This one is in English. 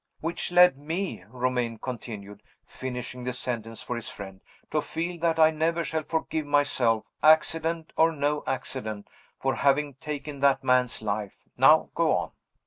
"Which led me," Romayne continued, finishing the sentence for his friend, "to feel that I never shall forgive myself accident or no accident for having taken that man's life. Now go on."